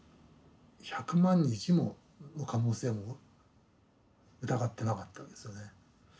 １００万に１の可能性も疑ってなかったですよね。